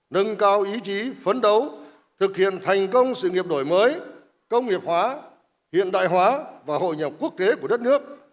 nâng cao ý chí phấn đấu thực hiện thành công sự nghiệp đổi mới công nghiệp hóa hiện đại hóa và hội nhập quốc tế của đất nước